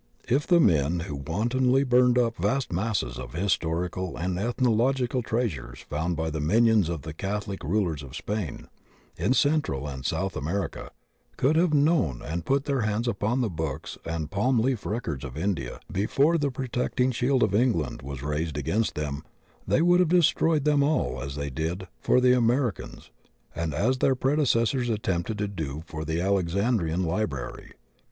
If the men who wan tonly burned up vast masses of historical and ethno logical treasures found by the minions of the Catholic rulers of Spain, in Central and South America, could have known of and put their hands upon the books and palm leaf records of India before the protecting shield of England was raised against them, they would have destroyed them all as they did for the Americans, and as their predecessors attempted to do for the Alex andrian library.